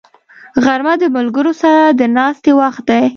غرمه د ملګرو سره د ناستې وخت دی